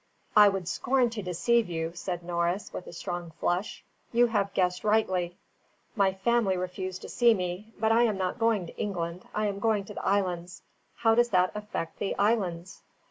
"I would scorn to deceive you," said Norris, with a strong flush, "you have guessed rightly. My family refuse to see me; but I am not going to England, I am going to the islands. How does that affect the islands?"